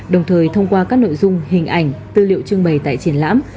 đồng thời thông qua các nội dung hình ảnh tư liệu trưng bày tại triển lãm